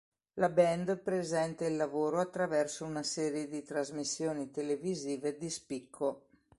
La band presenta il lavoro attraverso una serie di trasmissioni televisive di spicco.